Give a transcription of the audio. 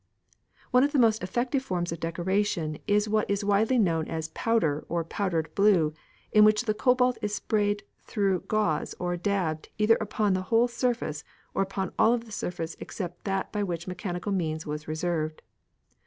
One of the most effective forms of decoration is what is widely known as powder or powdered blue, in which the cobalt was sprayed through gauze or dabbed either upon the whole surface, or upon all of the surface except that which by mechanical means was reserved.